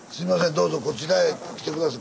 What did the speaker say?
どうぞこちらへ来てください。